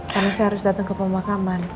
karena saya harus datang ke pemakaman